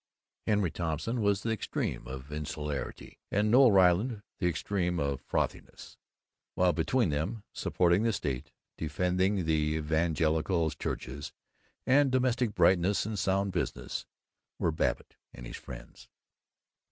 Henry Thompson was the extreme of insularity, and Noël Ryland the extreme of frothiness, while between them, supporting the state, defending the evangelical churches and domestic brightness and sound business, were Babbitt and his friends.